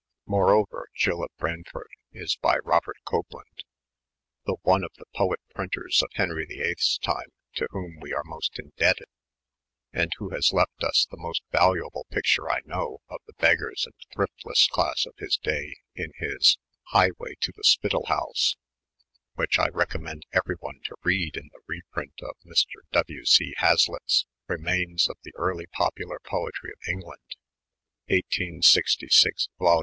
Moreover, Jyl of Breyniford is by Sobert Copland, the one of the poet printers of Henry VIII's time to whom we are most indebted, and who has left us the most valuable picture I know, of the beggars and thriftless class of his day, in his Hye Way to the Spyitel House, which I recom mend every one to read in the reprint in Mr. W. C. Hazlitt's Remains of the Early Popular Poetry of England, 1866, vol.